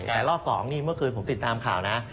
แต่รอบ๒นี่เมื่อคืนผมติดตามข่าวนะ